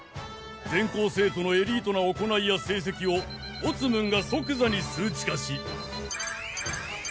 全校生徒のエリートな行いや成績をオツムンが即座に数値化し。